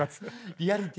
リアリティー。